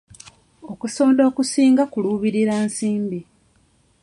Okusonda okusinga kuluubirira nsimbi.